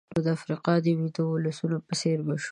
نو د افریقا د ویدو ولسونو په څېر به شو.